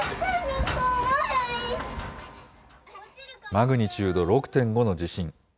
マグニチュード６．５の地震。